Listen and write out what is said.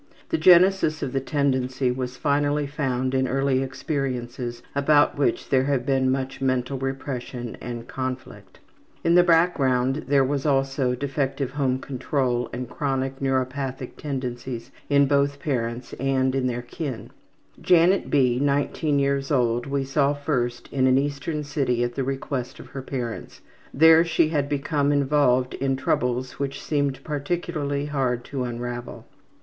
The genesis of the tendency was finally found in early experiences about which there have been much mental repression and conflict. In the background there was also defective home control and chronic neuropathic tendencies in both parents and in their kin. Janet B., 19 years old, we saw first in an eastern city at the request of her parents. There she had become involved in troubles which seemed particularly hard to unravel.